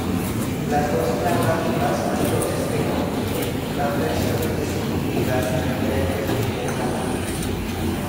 Las dos narrativas mayores que compiten, dan versiones descriptivas diferentes de Comala.